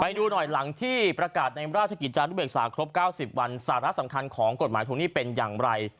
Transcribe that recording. ดูหน่อยหลังที่ประกาศในราชกิจจานุเบกษาครบ๙๐วันสาระสำคัญของกฎหมายทวงหนี้เป็นอย่างไร